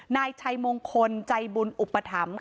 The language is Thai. นายชัยมงคลจัยบุญอุปถัมธ์